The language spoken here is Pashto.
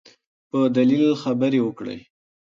په دلیل خبرې وکړئ.